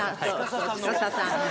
「司さん！？」